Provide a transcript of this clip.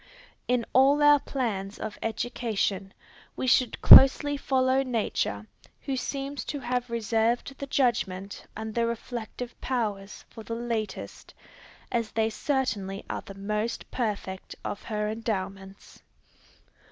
In all our plans of education, we should closely follow nature, who seems to have reserved the judgment and the reflective powers for the latest, as they certainly are the most perfect, of her endowments.